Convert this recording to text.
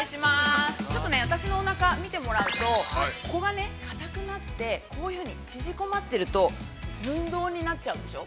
◆ちょっと、私の見てもらうと、ここが、かたくなって、こういうふうに縮こまっていると、寸胴になっちゃうでしょう。